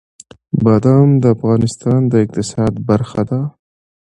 بادام د افغانستان د اقتصاد برخه ده.